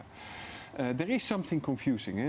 ada sesuatu yang mengganggu